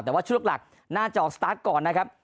แต่ว่าชุดหลักน่าจะออกสตาร์ทก่อนนะครับ